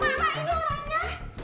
mak mak mak ini orangnya